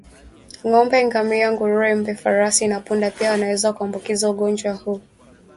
Ngombe ngamia nguruwe mbwa farasi na punda pia wanaweza kuambukizwa ugonjwa huu